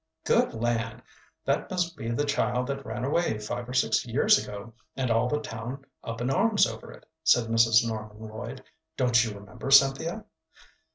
"Good land! That must be the child that ran away five or six years ago, and all the town up in arms over it," said Mrs. Norman Lloyd. "Don't you remember, Cynthia?"